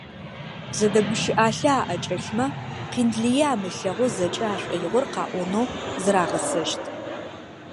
Зэдэгущыӏалъэ аӏэкӏэлъмэ, къин лые амылъэгъоу зэкӏэ ашӏоигъор къаӏонэу зырагъэсэщт.